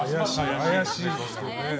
怪しいですね。